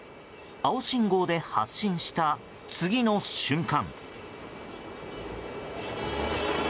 青信号で発進した次の瞬間。